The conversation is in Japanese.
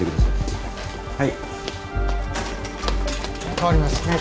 代わります。